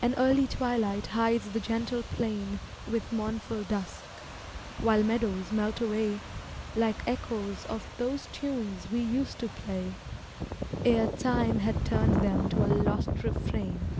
An early twilight hides the gentle plain With mournful dusk, while meadows melt away Like echoes of those tunes we used to play, Ere time had turned them to a lost refrain.